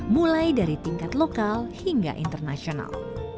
mulai dari tingkat lokal hingga internasional